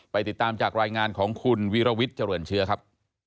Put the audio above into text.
ติดตามจากรายงานของคุณวิรวิทย์เจริญเชื้อครับ